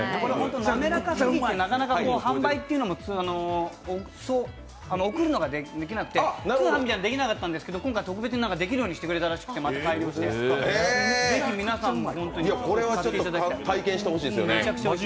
滑らかさは、なかなか販売というのは送るのができなくて通販みたいなのができなかったんですけど、今回特別にできるようにしてくれて、ぜひ皆さんにも本当に食べていただきたい。